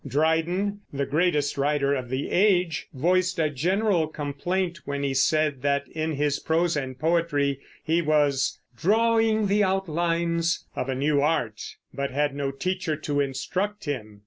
Dryden, the greatest writer of the age, voiced a general complaint when he said that in his prose and poetry he was "drawing the outlines" of a new art, but had no teacher to instruct him.